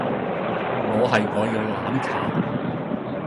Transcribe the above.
我係「我要攬炒」